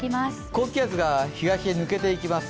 高気圧が東に抜けていきます。